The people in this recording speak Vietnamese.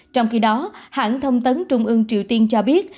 trong khi đó hãng thông tấn trung ương triều tiên cho biết